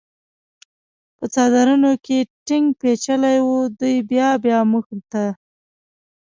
په څادرونو کې ټینګ پېچلي و، دوی بیا بیا موږ ته.